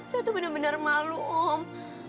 saya tuh bener bener malu om